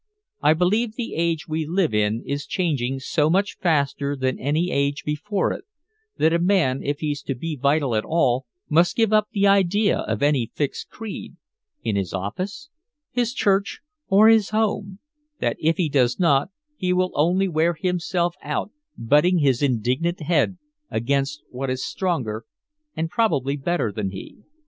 I believe the age we live in is changing so much faster than any age before it, that a man if he's to be vital at all must give up the idea of any fixed creed in his office, his church or his home that if he does not, he will only wear himself out butting his indignant head against what is stronger and probably better than he.